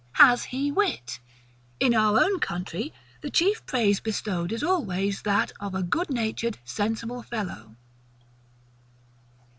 HAS HE WIT? In our own country, the chief praise bestowed is always that of a GOOD NATURED, SENSIBLE FELLOW.